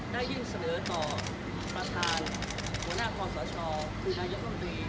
ได้ยิ่งเสนอต่อประธานหัวหน้าของสชคุณนายกลุ่มปรี